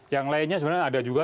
yang lainnya sebenarnya ada juga